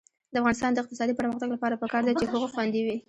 د افغانستان د اقتصادي پرمختګ لپاره پکار ده چې حقوق خوندي وي.